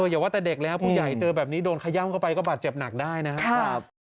อย่าว่าแต่เด็กแล้วผู้ใหญ่เจอแบบนี้โดนขย่ำเข้าไปก็บาดเจ็บหนักได้นะครับ